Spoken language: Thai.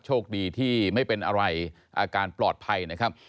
โชคดีที่ไม่เป็นอะไรอาการปลอดภัยนะครับ